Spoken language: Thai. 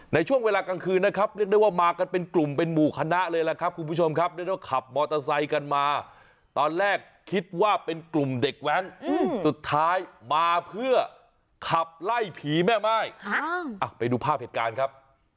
ในช่วงเวลากลางคืนนะครับเรียกได้ว่ามากันเป็นกลุ่มเป็นหมู่คณะเลยล่ะครับคุณผู้ชมครับเรียกได้ว่าขับมอเตอร์ไซค์กันมาตอนแรกคิดว่าเป็นกลุ่มเด็กแว้นสุดท้ายมาเพื่อขับไล่ผีแม่ม่ายไปดูภาพเหตุการณ์ครับ